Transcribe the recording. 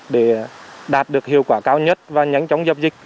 để đạt được hiệu quả cao nhất và nhánh chống dập dịch